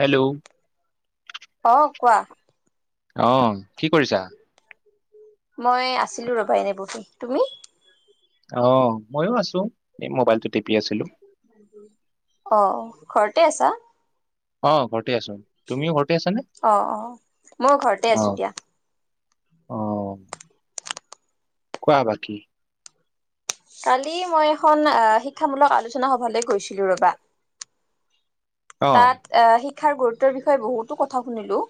Hello অ। কোৱা আহ কি কৰিছা? মই আছিলো ৰবা এনেই বহি। তুমি? অ মইো আছো, এই মোবাইলটো টিপি আছিলো অ। ঘৰতে আছা? অ ঘৰতে আছো তুমিও ঘৰতে আছানে অ অ মই ঘৰতে আছো দিয়া। আহ। কোৱা বাকী কালি মই এখন আহ শিক্ষামূলক আলোচনা সভালৈ গৈছিলো ৰবা। অ তাত আহ শি শিক্ষাৰ গুৰুত্বৰ বিষয়ে বহুতো কথা শুনিলোঁ।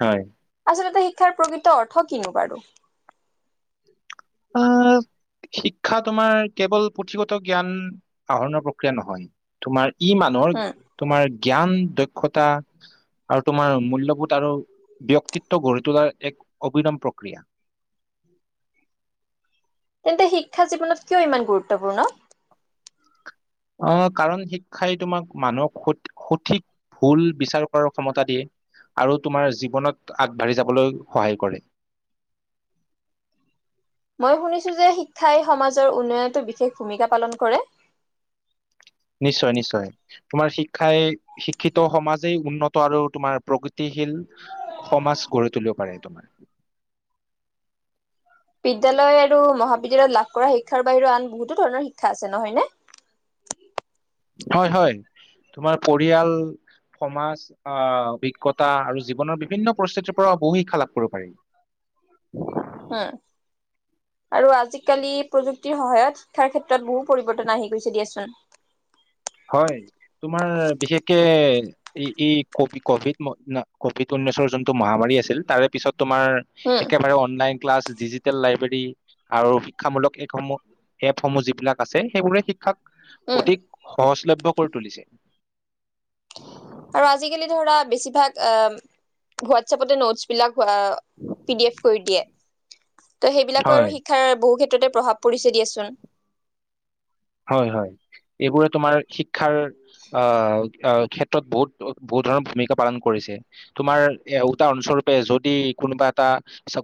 হয়। আচলতে শিক্ষাৰ প্ৰকৃত অৰ্থ কিনো বাৰু? অ শিক্ষা তোমাৰ কেৱল পুথিগত জ্ঞান আহৰণৰ প্ৰক্ৰিয়া নহয়। তোমাৰ ই মানুহৰ উম তোমাৰ জ্ঞান দক্ষতা আৰু তোমাৰ মূল্যবোধ আৰু ব্যক্তিত্ব গঢ়ি তোলাৰ এক অবিনম প্ৰক্ৰিয়া। তেন্তে শিক্ষা জীৱনত কিয় ইমান গুৰুত্বপূৰ্ণ? উম কাৰণ শিক্ষাই তোমাক মানুহক স সঠিক ভুল বিচাৰ কৰাৰ ক্ষমতা দিয়ে আৰু তোমাৰ জীৱনত আগবাঢ়ি যাবলৈ সহায় কৰে। মই শুনিছোঁ যে শিক্ষাই সমাজৰ উন্নয়নত বিশেষ ভূমিকা পালন কৰে। নিশ্চয় নিশ্চয় তোমাৰ শিক্ষাই শিক্ষিত সমাজেই উন্নত আৰু তোমাৰ প্ৰক শীল সমাজ গঢ়ি তুলিব পাৰে তমাৰ বিদ্যয়ালয় আৰু মহাবিদ্যালয়ত লাভ কৰা শিক্ষাৰ বাহিৰেও আন বহুতো ধৰণৰ শিক্ষা আছে নহয় ন হয় হয় তোমাৰ পৰিয়াল সমাজ আহ অভিজ্ঞতা আৰু জীৱনৰ বিভিন্ন পৰিস্থিতিৰ পৰা বহু শিক্ষা লাভ কৰিব পাৰি উম আৰু আজিকালি প্ৰযুক্তিৰ সহায়ত শিক্ষাৰ ক্ষেত্ৰত বহু পৰিৱৰ্তন আহি গৈছে দিয়াচোন হয় তোমাৰ বিশেষকে এই ক কভি কভিড উনৈছৰ যোন মহাৰী আছিল তাৰে পিছত উম, তমাৰেলন ক্লাছ ডিজিটেল লাইব্ৰেৰী আৰু শিক্ষামূলক এপসমূহ এপসমূহ যিবিলাক আছে সেইবোৰে শিক্ষাক উম, অধিক সহজলভ্য কৰি তুলিছে আৰু আজিকালি ধৰা বেছিভাগ হোৱাটছপতে নোটছ বিলাক পি ডি এফ কৰি দিয়ে ত' সেইবিলাকো হয়। আৰু শিক্ষাৰ বহু ক্ষ্ৰত প্ৰভাৱ পৰিছে দিয়াচোন হয় হয় এইবোৰে তোমাৰ শিক শিক্ষাৰ আহ আহ ক্ষেত্ৰত বহুত বহুত ধৰণৰ ভূমিকা পালন কৰিছে তোমাৰ এ উটাাৰ অস্বৰূপে যদি কোনোবা এটা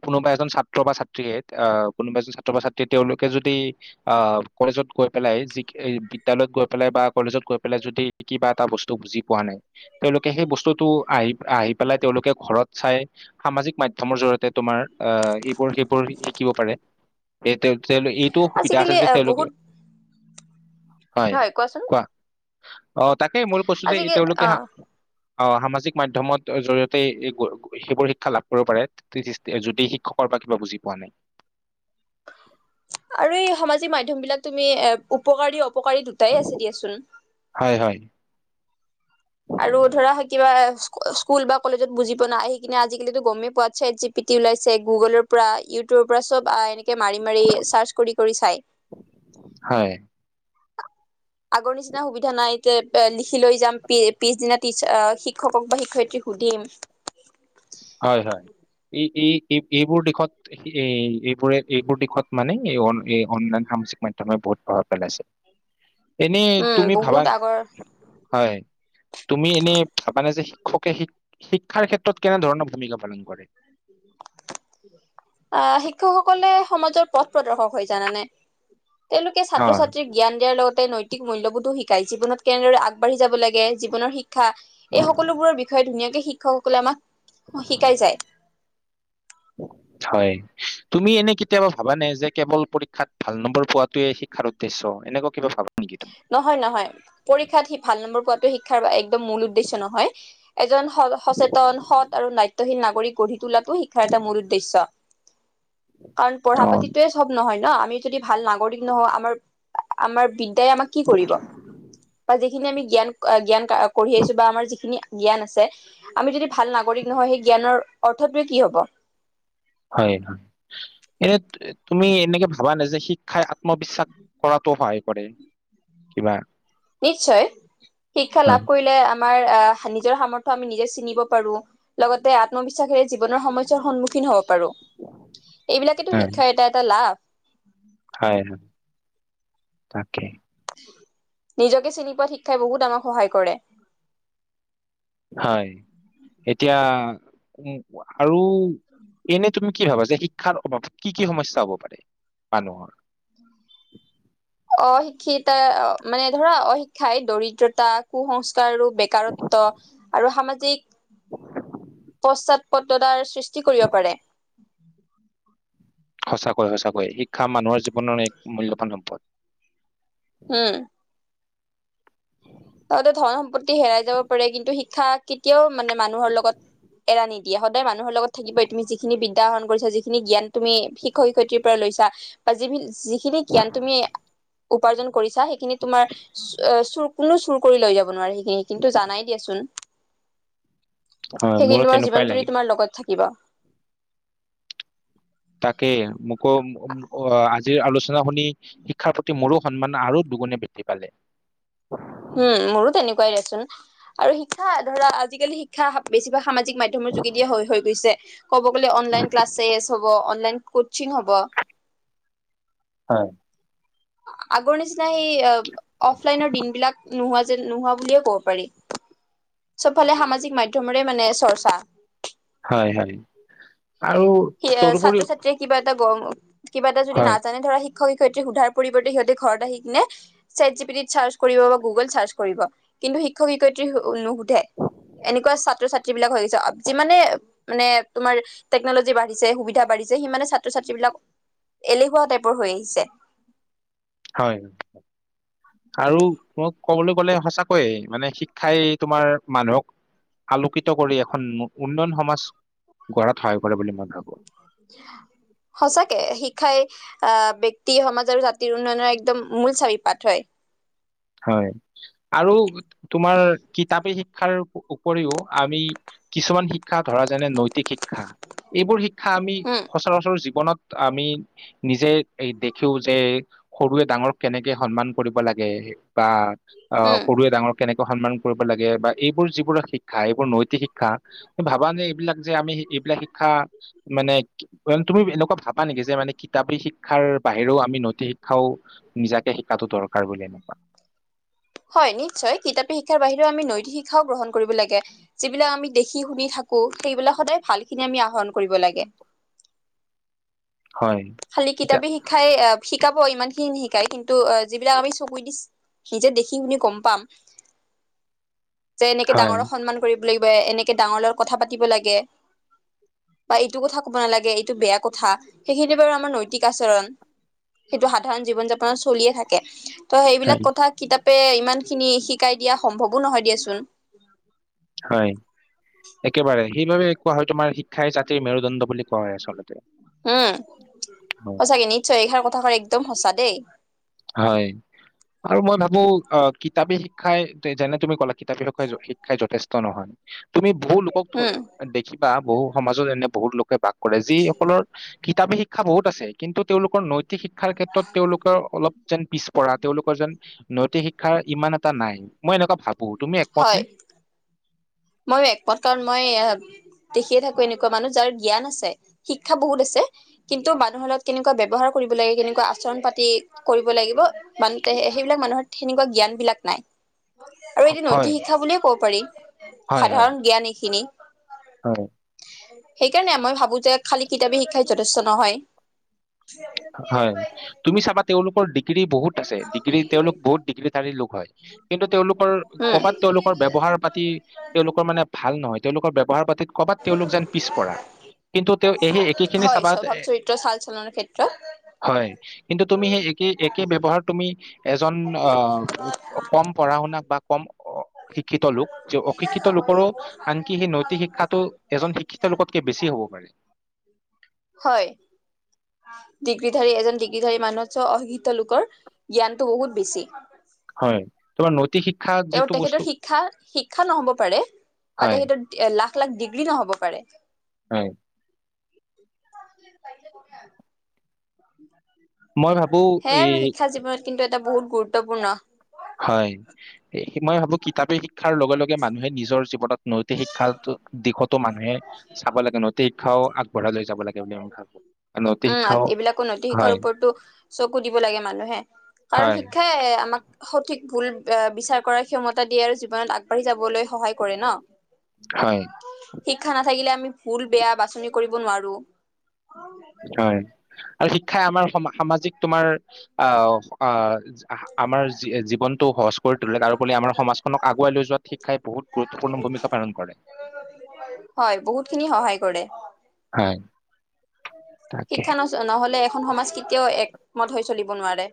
কোনোবা এজন ছাত্ৰ বা ছাত্ৰীয়ে আহ কোনোবা এজন ছাত্ৰ বা ছাত্ৰীয়ে তেওঁলোকে যদি আহ কলেজত গৈ পেলাই যি বিদ্য়ালয়ত গৈ পেলাই বা কলেজত গৈ পেলাই যদি কিবা এটা বস্তু বুজি পোৱা নাই তেওঁলোকে সেই বস্তুটো আহি আহি পেলাই তেওঁলোকে ঘৰত চাই সামাজিক মাধ্য়মৰ জৰিয়তে তোমাৰ আহ এইবোৰ সেইবোৰ শিকিব পাৰে এইটো সুবিধা আছে আজিকালি যে তেওঁলোকে বহুত হয় কোৱাচোন কোৱা অ তাকেই মূল পশু যে আজিকে তেওঁলোকে হা অ', আহ সামাজিক মাধ্য়মত জৰিয়তে সেইবোৰ শিক্ষা লাভ কৰিব পাৰে যদি শিক্ষকৰ বা কিবা বুজি পোৱা নাই আৰু এই সামাজিক মাধ্য়ম বিলাক তুমি এ উপকাৰ দিয় উপকাৰী দুটাই আছে দিয়াচোন হয় হয়। আৰু ধৰা হয় কিবা স্কুল বা কলেজত বুজি প নাই আহি কিনে আজিকালিো গমেই পোৱ চাই জি পিটি ওলাইছে গুগলৰ পৰা ইউটিউবৰ পৰা চব এ মাৰি মাৰি চাৰ্চ কৰি কৰি চাই হয় আগৰ নিচিনা সুবিধা নাই এতিয়া লিখি লৈ যাম প পিছদিনা িচ শিক্ষকক বা শিক্ষয়িত্ৰী সুধিম হয় হয় এই এই এই এইবোৰ দিশত এ এইবোৰে এইবোৰ দিশত মানে এই এই অনলাইন সামাজিক মাধ্্যমে বহুত প্ৰভাৱ পেলাইছে এনে উম তুমি ভাবা বহুত আগৰ হয় তুমি এনে ভাবানে যে খকে শিক শিক ক্ষেত্ৰত কেনেধৰণৰ আহ স শিক্ষকসকলে সমাজৰ পথ প্ৰদৰ্শক হৈ জানানে তেওঁলোকে অ ছাত্ৰ ছাত্ৰ্ৰীক জ্ঞান দিয়াৰ লগতে নৈতিক মূল্যবোধো শিক্ষা শাই জীৱনত কেনেদৰে আগবাঢ় যাব লাগে জীৱনৰ শিকা শ এই সকলোবোৰৰ বিষয়ে ধুনীয়াকে শিকক কলামা শিকাই যায় হয় তুমি এনে কেতিয়াবা ভাবানে যে কেৱল পৰীক্ষাত ভাল নম্বৰ পোৱাাতয়ে শিক্ষাৰ উদ্দেশ্য এনেকুৱা কিবা ভাবা নেকি তুমি? নহয় নহয় পৰীক্ষাত ভাল নম্বৰ পোৱাতটো শিক্ষাৰ একদম মূল উদ্দেশ্য নহয় এজন স সচেতন সৎ আৰু নাট্ হীনাগৰি গঢ় তু তো শিকাৰটা মোৰ উদ্দেশ্য কাৰণ পঢ়া অ পাতিতয়ে চব নহয় ন আমি যদি ভাল নাগৰিক নহওঁ আমাৰ আমাৰ বিদ্যাই কি কৰিব বা যিখিনি আমি জ্ঞান জ্ঞান কঢ়ি আহিছো বা আমাৰ যিখিনি জ্ঞান আছে আমি যদি ভাল নাগৰিক নহয় সেই জ্ঞানৰ অৰ্থটোৱে কি হ'ব হয় এই তুমি এনেকে ভাবা নে যে শিক খাই আত্মবিশ্বাস কৰাতো সহায় কৰে কিবা নিশ্চয় শিক্ষা হয় লাভ কৰিলে আমাৰ আহ নিজৰ সামৰ্থয় আমি নিজে চিনিব পাৰো লগতে আত্মবিশ্বাসেৰে জীৱনৰ সমস্যয়াৰ সন্মুখীন হওঁক এইবিলাকেতটো হয় শিক্ষাৰ এটা এটা লাভ উ হয় তাকে নিজকে চিনি পোৱোৱা শিক্ষাই বহুত আমক সহায় কৰে হয় এতিয়া উ আৰু এনে তুমি কি ভাবা যে শিক্ষাৰ অভাৱত কি কি সমস্যা হ'ব পাৰে মানুহৰ অশিক্ষিত মানে ধৰা অশিক্ষাই দৰিদ্ৰতা কুসংস্ আৰু বেকাৰত্ব আৰু স পশ্চাদ পত্ৰতাৰ সৃষ্টি কৰিব পাৰে সঁচাকৈয়ে সঁচাকৈয়ে শিক্ষা মানুহৰ জীৱনৰ এক মূল্্যবান সম্পদ হম তহঁতে ধন সম্পত্তি হেৰাই যাব পাৰে কিন্তু শ শিক্ষা কেতিয়াও মানে মানুহৰ লগত এৰা নিদিয়ে স মানুহৰ লগতাকই তুিখিনি উদাহৰণ কৰিছা যিখিনি জ্ঞান তুমি শিক্ষক শিক্ষয়িত্ৰ পৰা লৈছা বা যিিনি খিনি কিিয়ান তুমি উপাৰ্জন ত কোনো চুৰ কৰি লৈ যাব নোৱি কিন্তু জানাই দিয়াচোন হয় মোৰো সেইখিন তোমাৰ তেনেকুৱাই জীৱন জুৰি লাগে তোমাৰ লগত থাকে কিবা তাকে মোকো আহ আজিৰ আলোচনা শুনি শিক্ষাৰ প্ৰতি মোৰো সন্মান আৰু দুগুণে বৃদ্ধি পালে উম মোৰো তেনেকুৱাই দেচোন। আৰু শিক্ষা ধৰা আজিকালি শিক্ষা বেছিভাগ সামাজিক মাধ্য়মৰ যোগেদিয়ে হৈ হৈ গৈছে ক'ব গ'লে অনলাইন ক্লাছেছ হ'ব অনলাইন কচিং হ'ব হয় আগৰ নিচিনা সেই অফলাইনৰ দিন বিলাক নোহোৱা যেন নোহোৱা বুলিয়ে কব পাৰি চবফালে সামাজিক মাধ্্যমৰে মানে চৰ্চা হয় হয় আৰু তদোপৰিও ব কিবা এটা যদি নাজানে ধৰা শিক শিক্ষক শিক্ষয়িত্ৰী সোধাৰ পৰিৱৰ্তে সিহঁতে ঘৰত আহি কিনে চছেট জি পি িত চাৰ্চ কৰিব বা গুগল চাৰ্চ কৰিব কিন্তু শিক্ষক শিক্ষয়িত্ৰী নুশুধে এনেকুৱা ছাত্ৰ ছাত্ৰী বিলাক হৈ গছে যিমানে মানে তোমাৰ টেকনলজি বা সুবিধা বাঢ়িছে সিমানে ছাত্ৰ ছাত্ৰী বিলাক এলেহুৱা টাইপৰ হৈ আহিছে হয় আৰু মই কবলৈ গলে সঁচাকৈয়ে মানে শিক্ষাই তোমাৰ মানুহক আলোকিত কৰি এখন উন্নয়ন সমাজ গ় সচাকে শিক শিক্ষাই আহ ব্যক্তি সমাজ আৰু জাতিৰ উন্নয়নৰ একদম মূল চাৰিপাত হয় হয় আৰু তোমাৰ কিতাপেই শ শিক্ষ উপৰিও আমি কিছুমান শিক্ষা ধৰা যেনে নৈতিক শিক্ষা এইবোৰ শিক্ষা আমি উম সচৰাচৰ জীৱনত আমি নিজে এই দেখও যে সৰুৱে ডাঙৰক কেনেকে সন্মান কৰিব লাগে বা অ উম সৰুৱে ডাঙৰ কেনেকে সন্মান কৰিব লাগে বা এইবোৰ যিবোৰ শিক্ষাই নৈতিক শিক্ষা ভাবা নে এইবিলাক যে আমি এইবিলাক শিক্ষা মানে তুমি এনেকুৱা ভাবা নেকি যে মানে কিতাপী শিক্ষাৰ বাহিৰেও আমি নৈতিক শিক্ষাও নিজাকে শিকাটো দৰকাৰ বুলি এনেকুৱা হয় নিশ্চয় কিতাপী শিক্ষাৰ বাহিৰেও আমি নৈতিক শিক্ষাও গ্ৰহণ কৰিব লাগে যিবিলাক আমি দেখি শুনি থাকো সেইবিলাক সদায় ভাল খিনি আমি আহৰণ কৰিব লাগে খালি হয় কিতাপি শিকাই শ শিকাব ইমান খিনি শিকাই কিন্তু যিবিলাক আমি চকু দি নিজে দেখি শুনি গম পাম যে এনেকে হয়, ডাঙৰক সন্মান কৰিব এনেকে ডাঙৰাৰ কথা পাতি লাগে বা এইটো কথা কব নালাগে এইটো বেয়া কথা সেইিন বাৰু আমাৰ নৈতিক আচৰণ সেইটো সাধাৰণ জীৱন যাপনত চলিয়ে থাকে ত হয়, সেইবিলাক কথা কিতাপ াপ ইমান খিনি শিকাই দিয়া সম্ভৱো নহয় দিয়াচোন হয় একেবাৰোৰে সেইবাবে কোৱা হয় তোমাৰ শিক্ষাই জাতিৰ মেৰুদণ্ড বুলি কোৱা হয় আচলতে উম হয় সঁচাকে নিশ্চয় এইষাৰ কথাষ একদম সঁচা দেই হয় আৰু মই ভাবো অ কিতাপি শিক্ষাই যেনে তুমি কলা কিতাপী লখাই শিক্ষাই যথেষ্ট নহয় তুমি বহু লোকক উম দেখিবা বহু সমাজত এনে বহুত লোক বাস কৰে যিসকলৰ কিতাপী শিক্ষা বহুত আছে কিন্তু তেওঁলোকৰ নৈতিক শিক্ষাৰ ক্ষেত্ৰত তেওঁলোকে অলপ যেন পিছপৰা তেওঁলোকৰ যেন নৈতিক শিক্ষা শ ইমান এটা নাই মই এনেকুৱা ভাল বহু তুমি একমত নে মই একমত কাৰণ মই এ দেখিয়ে থাকো এনেকুৱা মানুহ যাৰ জ্ঞান আছে শিক্ষা বহুত আছে কিন্তু মানুহৰ লগত কেনেকুৱা ব্যৱহাৰ কৰিব লাগে কেনেকুৱা আচৰণ পাতি কৰিব লাগিব মানুহ সেইবিলাক মানুহৰ সেনেকুৱা জ্ঞান বিলাক নাই আৰু হয়, এতিটো নৈতি শিক্ষা বুলিয়ে ক'ব পাৰি হয়, হয়, সাধাৰণ জ্ঞান এইখিনি হয় সেইকাৰণে মই ভাবো যে খালী কিতাপী শিকাই যথেষ্ট নহয় হয় তুমি চাবা তেওঁলোকৰ ডিগ্ৰী বহুত আছে ডিগ্ৰী তেওঁলোক বহুত ডিগ্ৰী থাৰী লোক হয় কিন্তু তেওঁলোকৰ উম। কৰ'বাত তেওঁওলোকৰ ব্ৱহাৰ পাতি তেওঁওলোকৰ মানে ভাল নহয় হয় তেওঁলোকৰ ব্যৱহাৰ পাতি কৰবাত তেওঁওলোক যেন পিছপৰা কিন্তু তেওঁ এই একে খিনি হয় চাব স্বভাৱ চৰিত্ৰ চাল চলনৰ ক্ষেত্ৰত। হয় কিন্তু তুমি সেই একে একে ব্য্ৱহাৰ তুমি এজন অ কম পঢ়া শুনাক বা কম শিক্ষিত লোক য অশিক্ষিত লোকৰো আনকি সেই নৈতিক শিক্ষাটো এজন শিক্ষিত লোকতকে বেছি হ'ব পাৰে হয় ডিগ্ৰীধাৰী এজন ডিগ্ৰীধাৰী মানুহত চ অশিক্ষিত লোকৰ জ্ঞানতটো বহুত বেছি হয় তোমাৰ ন তেওঁ তেখেতৰ শিক্ষা শিক্ষা নহ'ব পাৰে বা হয় তেখেতৰ লাভ লাক ডিগ্ৰী নহ'ব পাৰে হয় উ প উম মই ভাবো এই জীৱনত কিন্তু এটা বহু গুৰুত্বপূৰ্ণ হয় মই ভাবো কিতাপে শিক্ষাৰ লগে লগে মানুহে নিজৰ জীৱনত নৈতিক শিক্ষা দিশতো মানুহে চাব লাগে ন তীৰ্ খাও আগবঢ় লৈ যাব লাগে বুলি মই ভাবো। আৰু নৈতিক উম শিক্ষাও এইবিলাকো নৈতিক শিক্ষাৰ হয় ওপৰতো চকু দিব লাগে মানুহে কাৰণ হয় শিক্ষাই আমাক সঠিক ভুল বিচাৰ কৰাৰ ক্ষমতা দিয়ে আৰু জীৱনত আগবাঢ়ি যাবলৈ সহায় কৰে ন হয় শিক্ষা নাথাকিলে আমি ভুল বেয়া বাছনি কৰিব নোৱাৰো অ হয় আৰু শিক্ষাই আমাৰ সামাজিক তোমাৰ আহ আহ আমাৰ জীৱনটো সহজ কৰি তোলে তাৰোৰি আমাৰ সমাজখনক আগুৱাই লৈ যোৱাত শিক্ষাই বহুত গুৰুত্বপূৰ্ণ ভূমিকা পালন কৰে হয় বহুত খিনি সহায় কৰে হয় তাকে শিক্ষা ন নহলে এখন সমাজ কেতিয়াও এক মত হৈ চলিব নোৱাৰে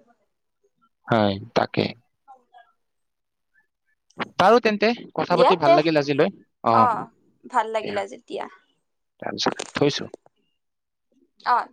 হয় তাকে পাৰ তেন্তে কথা দিয়া পাতি ভাল তে লাগিল আজিলৈ অ ভাল আহয়া লাগিল আজি দিয়া তাৰপিছত থৈছো অ